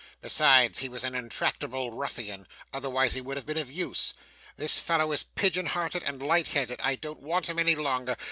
Besides, he was an intractable ruffian; otherwise he would have been of use. This fellow is pigeon hearted and light headed. I don't want him any longer.